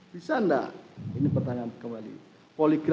bisa enggak ini pertanyaan kembali